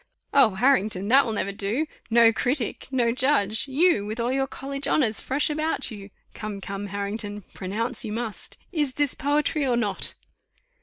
"Oh! Harrington, that will never do. No critic! No judge! You! with all your college honours fresh about you. Come, come, Harrington, pronounce you must. Is this poetry or not?